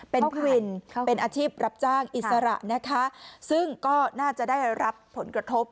เป็นพี่วินเป็นอาชีพรับจ้างอิสระนะคะซึ่งก็น่าจะได้รับผลกระทบ